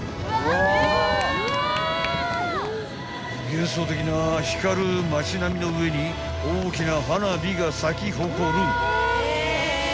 ［幻想的な光る街並みの上に大きな花火が咲き誇る］